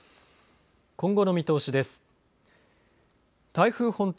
今後の見通しです。